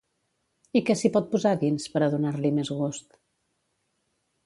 I què s'hi pot posar dins, per a donar-li més gust?